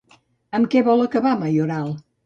Amb què vol acabar Mayoral?